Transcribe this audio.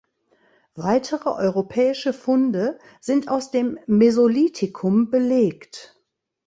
Weitere europäische Funde sind aus dem Mesolithikum belegt.